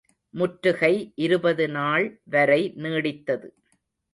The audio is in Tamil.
முற்றுகை இருபது நாள் வரை நீடித்தது.